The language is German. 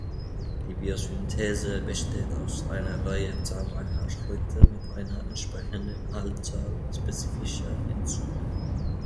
Die Biosynthese besteht aus einer Reihe zahlreicher Schritte mit einer entsprechenden Anzahl spezifischer Enzyme.